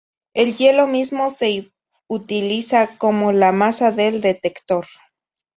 El hielo mismo se utiliza como la masa del detector.